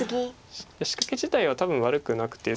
仕掛け自体は多分悪くなくて。